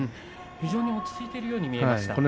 非常に落ち着いてるように見えましたね。